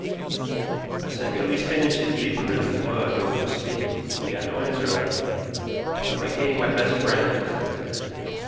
I sank at least ten inches deeper into the mud while he was speaking. He got no answer out of me. I felt like hating my best friend just then.